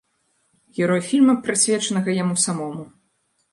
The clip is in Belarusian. Герой фільма, прысвечанага яму самому.